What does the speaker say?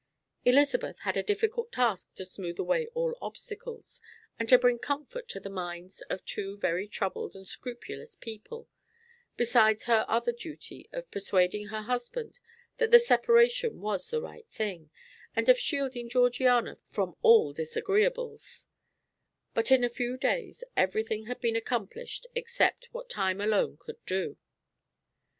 Elizabeth had a difficult task to smooth away all obstacles and to bring comfort to the minds of two very troubled and scrupulous people, besides her other duty of persuading her husband that the separation was the right thing, and of shielding Georgiana from all disagreeables; but in a few days everything had been accomplished except what time alone could do.